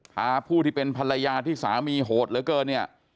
พาผู้ที่เป็นภรรยาที่สามีโหดเหลือเกินเนี่ย